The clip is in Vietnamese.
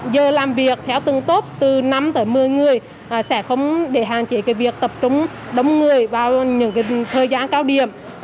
giờ làm việc theo từng tốt từ năm tới một mươi người sẽ không để hạn chế việc tập trung đông người vào những thời gian cao điểm